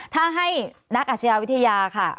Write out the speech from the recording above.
ถ้าให้นักอาชญาวิทยาค่ะ